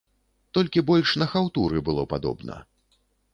Толькі больш на хаўтуры было падобна.